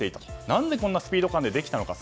何でこんなスピード感でできたのか。